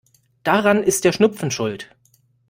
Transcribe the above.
Daran ist der Schnupfen schuld.